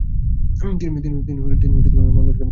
তিনি ময়মনসিংহ শহরে যান।